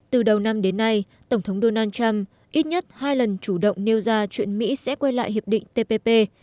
từ đầu năm đến nay tổng thống donald trump ít nhất hai lần chủ động nêu ra chuyện mỹ sẽ quay lại hiệp định tpp